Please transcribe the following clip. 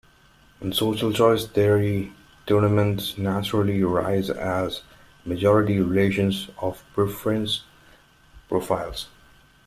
In social choice theory, tournaments naturally arise as majority relations of preference profiles.